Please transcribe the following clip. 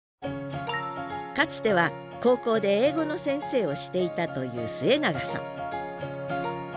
かつては高校で英語の先生をしていたという末永さん